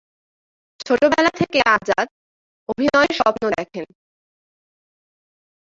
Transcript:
ছোটবেলা থেকে আজাদ অভিনয়ের স্বপ্ন দেখেন।